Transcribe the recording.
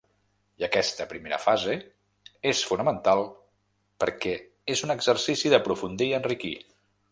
I aquesta primera fase és fonamental perquè és un exercici d’aprofundir i enriquir.